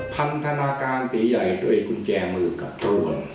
พันธนาการตียัยด้วยกุญแจมือกับถ้วน